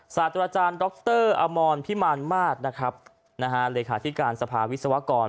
สาธารณาจารย์ดรอพิมารมาศเลยคาทิการสภาวิศวกร